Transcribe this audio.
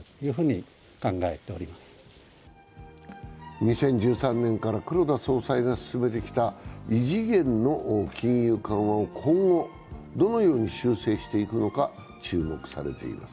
２０１３年から黒田総裁が進めてきた異次元の金融緩和を今後どのように修正していくのか注目されます。